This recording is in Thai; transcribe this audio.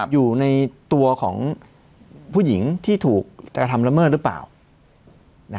อยู่ในตัวของผู้หญิงที่ถูกกระทำละเมิดหรือเปล่า